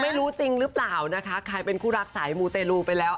ไม่รู้จริงหรือเปล่านะคะใครเป็นคู่รักสายมูเตลูไปแล้ว